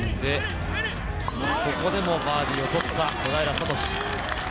ここでもバーディーをとった小平智。